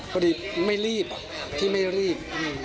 พอดีไม่รีบที่ไม่รีบ